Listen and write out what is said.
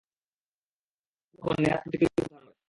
উভয় পদই তখন নেহাৎ প্রতীকী রূপ ধারণ করে।